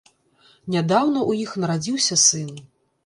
Нядаўна ў іх нарадзіўся сын.